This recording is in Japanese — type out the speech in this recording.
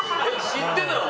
知ってたよ。